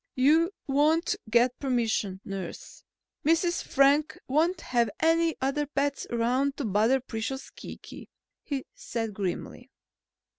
"You won't get permission, nurse. Mrs. Frank won't have any other pets around to bother precious Kiki," he said grimly.